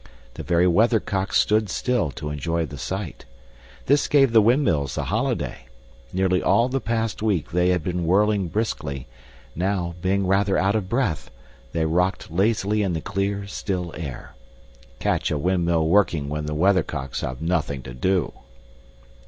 The very weathercocks stood still to enjoy the sight. This gave the windmills a holiday. Nearly all the past week they had been whirling briskly; now, being rather out of breath, they rocked lazily in the clear, still air. Catch a windmill working when the weathercocks have nothing to do!